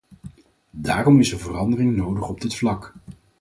Daarom is er verandering nodig op dit vlak.